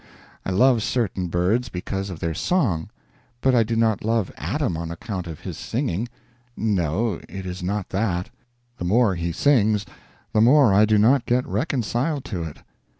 I love certain birds because of their song; but I do not love Adam on account of his singing no, it is not that; the more he sings the more I do not get reconciled to it.